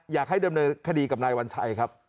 อยากให้ดำเนินคดีกับนายวัญชัยครับ